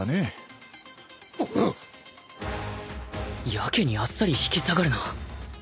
やけにあっさり引き下がるな